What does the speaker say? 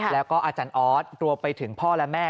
แล้วก็อาจารย์ออสรวมไปถึงพ่อและแม่